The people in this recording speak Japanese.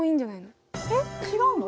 えっ違うの？